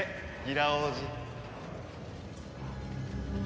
ラ王子。